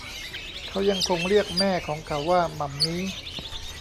เขายังคงเรียกแม่ของเขาว่า หมั่มมี้